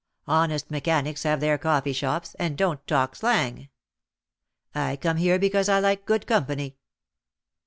Honest mechanics have their coffee shops, and don't talk slang." "I come here because I like good company."